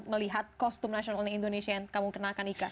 melihat kostum national only indonesia yang kamu kenalkan ika